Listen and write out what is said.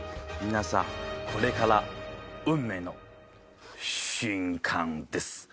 皆さんこれから運命の瞬間です。